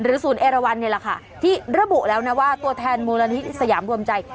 ศูนย์เอราวันนี่แหละค่ะที่ระบุแล้วนะว่าตัวแทนมูลนิธิสยามรวมใจ